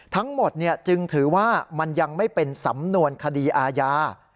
ทั้งหมดจึงถือว่ามันยังไม่เป็นสำนวนคดีอาญา